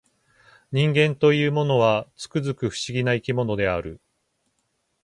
人間というものは、つくづく不思議な生き物である